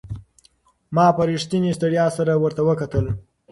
ما په رښتینې ستړیا سره ورته وکتل.